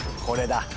これだ。